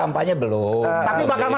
tim kampanye belum